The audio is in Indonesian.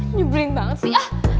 nyebelin banget sih